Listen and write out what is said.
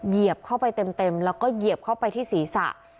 เหยียบเข้าไปเต็มแล้วก็เหยียบเข้าไปที่ศีรษะ